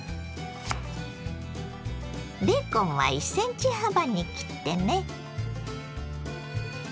ベーコンは１ｃｍ幅に切ってね。